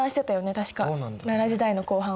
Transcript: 確か奈良時代の後半は。